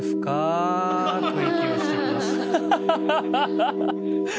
ハハハハ！